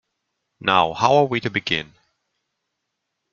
Now, how are we to begin?